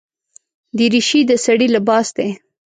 دریشي د سړي لباس دی.